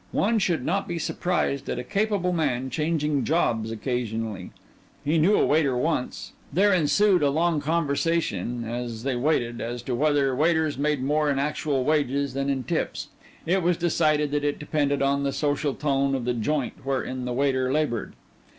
One should not be surprised at a capable man changing jobs occasionally. He knew a waiter once there ensued a long conversation as they waited as to whether waiters made more in actual wages than in tips it was decided that it depended on the social tone of the joint wherein the waiter labored.